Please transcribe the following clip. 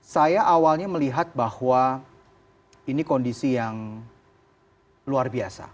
saya awalnya melihat bahwa ini kondisi yang luar biasa